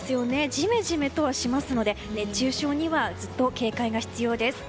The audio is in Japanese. ジメジメとはしますので熱中症にはずっと警戒が必要です。